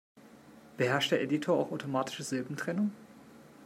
Beherrscht der Editor auch automatische Silbentrennung?